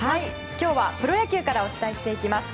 今日はプロ野球からお伝えしていきます。